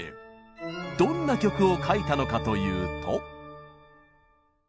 どんな曲を書いたのかというと。